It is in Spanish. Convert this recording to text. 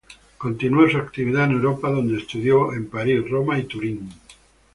Continuó su actividad en Europa, donde estudió en París, Roma y Turín.